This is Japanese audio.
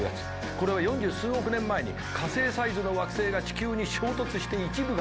これは４０数億年前に火星サイズの惑星が地球に衝突して一部がもげた。